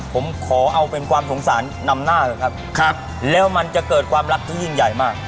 ผมขอเอาเป็นความสงสารนำหน้าเถอะครับแล้วมันจะเกิดความรักที่ยิ่งใหญ่มาก